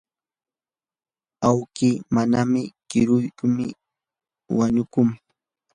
awki mana kiruyuqmi wañukun.